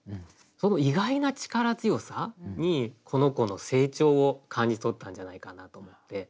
その意外な力強さにこの子の成長を感じとったんじゃないかなと思って。